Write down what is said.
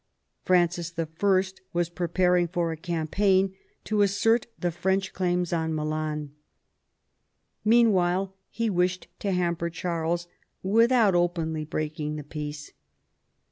Francis I. "^^ preparing for a campaign to assert the French ckdms on Milan. Meanwhile he wished to hamper Charles without openly breaking the peace.